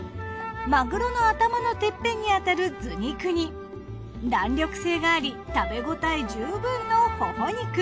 マグロの頭のてっぺんにあたる頭肉に弾力性があり食べ応え十分のほほ肉。